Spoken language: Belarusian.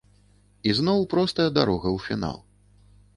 Ізноў простая дарога ў фінал.